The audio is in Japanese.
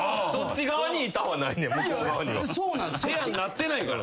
部屋になってないから。